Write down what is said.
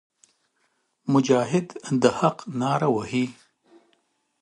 مجاهد د حق ناره وهي.